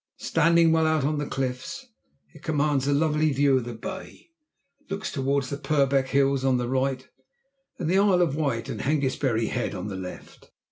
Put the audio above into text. Standing well out on the cliffs, it commands a lovely view of the bay looks toward the Purbeck Hills on the right, and the Isle of Wight and Hengistbury Head on the left.